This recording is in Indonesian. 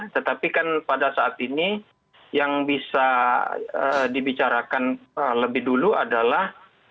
tetapi kan pada saat ini yang bisa dibicarakan lebih dulu adalah